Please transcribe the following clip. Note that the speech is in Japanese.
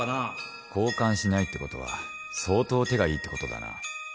交換しないってことは相当手がいいってことだな